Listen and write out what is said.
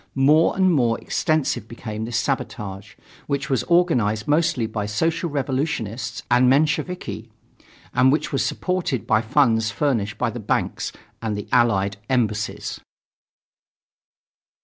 More and more extensive became this sabotage, which was organized mostly by Social Revolutionists and Mensheviki, and which was supported by funds furnished by the banks and the Allied Embassies.